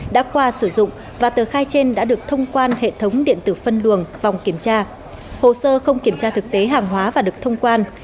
đã qua sử dụng và tờ khai trên đã được thông quan hệ thống điện tử phân luồng vòng kiểm tra hồ sơ không kiểm tra thực tế hàng hóa và được thông quan